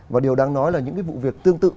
và điều đáng nói là những cái vụ việc tương tự